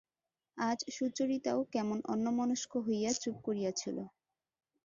আজ সুচরিতাও কেমন অন্যমনস্ক হইয়া চুপ করিয়া ছিল।